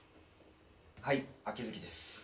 はい秋月です。